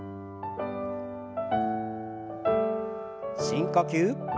深呼吸。